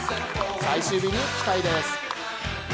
最終日に期待です。